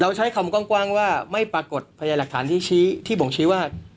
เราใช้คำกว้างว่าไม่ปรากฏพยานหลักฐานที่ผมชี้ว่า